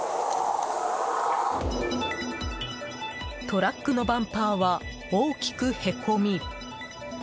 トラックのバンパーは大きくへこみ